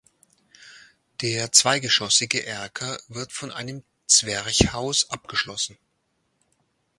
Der zweigeschossige Erker wird von einem Zwerchhaus abgeschlossen.